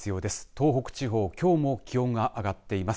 東北地方きょうも気温が上がっています。